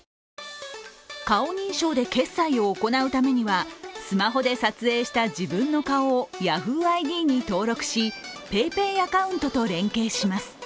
顔認証で決済を行うためにはスマホで撮影した自分の顔をＹａｈｏｏＩＤに登録しＰａｙＰａｙアカウントと連携します。